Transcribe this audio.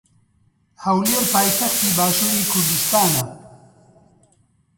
هەولێر پایتەختی باشووری کوردستانە